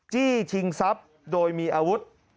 จี้ชิงทรัพย์โดยมีอาวุธ